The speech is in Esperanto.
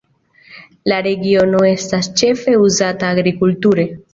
La regiono estas ĉefe uzata agrikulture.